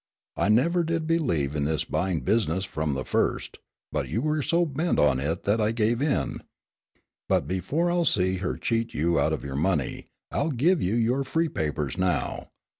I never did believe in this buying business from the first, but you were so bent on it that I gave in. But before I'll see her cheat you out of your money I'll give you your free papers now.